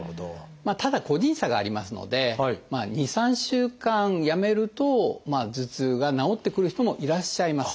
ただ個人差がありますので２３週間やめると頭痛が治ってくる人もいらっしゃいます。